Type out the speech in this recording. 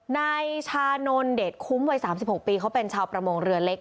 นายชานนท์เดชคุ้มวัย๓๖ปีเขาเป็นชาวประมงเรือเล็ก